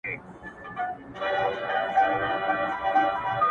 پرېږده جهاني ته د خیالي کاروان سندره دي-